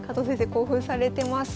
興奮されてます。